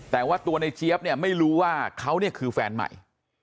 แต่ว่าตัวในเจี๊ยบเนี่ยไม่รู้ว่าเขาเนี่ยคือแฟนใหม่